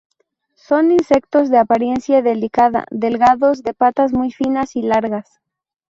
Son insectos de apariencia delicada, delgados, de patas muy finas y largas.